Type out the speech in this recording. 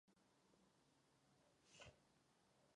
Možná budeme reagovat usnesením.